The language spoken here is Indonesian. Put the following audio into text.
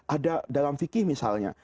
ada dalam fikir misalnya